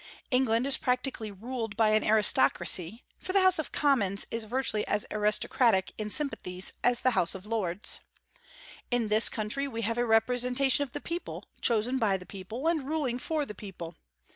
England is practically ruled by an aristocracy, for the House of Commons is virtually as aristocratic in sympathies as the House of Lords. In this country we have a representation of the people, chosen by the people, and ruling for the people.